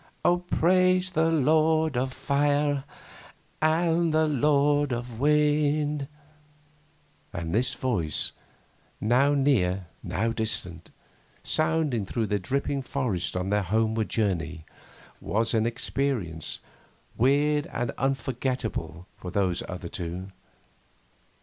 Oh, praise the Lord of Fire and the Lord of Wind...!' And this voice, now near, now distant, sounding through the dripping forest on their homeward journey, was an experience weird and unforgettable for those other two.